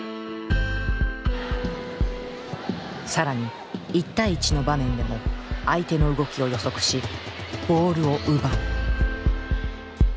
更に１対１の場面でも相手の動きを予測しボールを奪う。